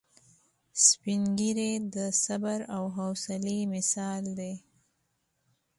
سپین ږیری د صبر او حوصلې مثال دی